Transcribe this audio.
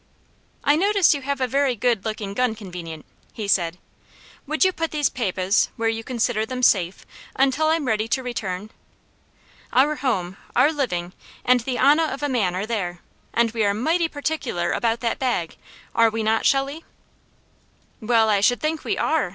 "I notice you have a very good looking gun convenient," he said. "Would you put these papahs where you consider them safe until I'm ready to return? Our home, our living, and the honah of a man are there, and we are mighty particular about that bag, are we not, Shelley?" "Well I should think we are!"